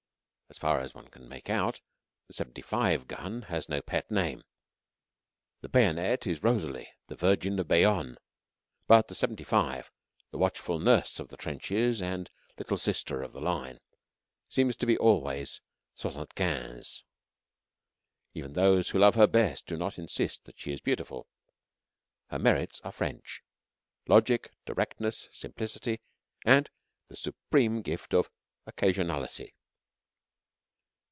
As far as one can make out, the 75 gun has no pet name. The bayonet is Rosalie the virgin of Bayonne, but the 75, the watchful nurse of the trenches and little sister of the Line, seems to be always "soixante quinze." Even those who love her best do not insist that she is beautiful. Her merits are French logic, directness, simplicity, and the supreme gift of "occasionality."